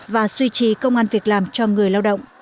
và suy trì công an việc làm cho người lao động